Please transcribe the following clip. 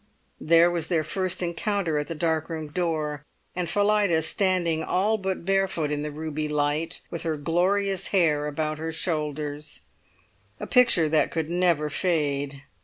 There was their first encounter at the dark room door, and Phillida standing all but barefoot in the ruby light, with her glorious hair about her shoulders, a picture that could never fade.